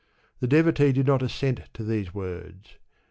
The devotee did not assent to these words.